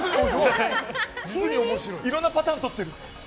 いろんなパターンとってる。